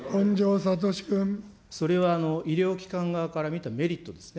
それは、医療機関側から見たメリットですね。